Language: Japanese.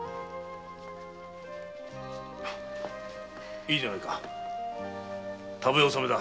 いいじゃないか食べ納めだ。